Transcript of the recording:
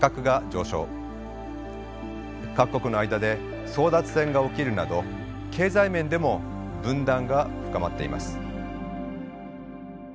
各国の間で争奪戦が起きるなど経済面でも分断が深まっています。